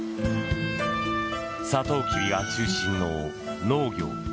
サトウキビが中心の農業。